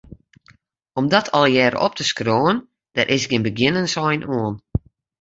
Om dat allegearre op te skriuwen, dêr is gjin begjinnensein oan.